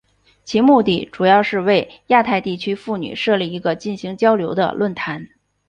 其目的主要是为亚太地区妇女设立一个进行交流的论坛。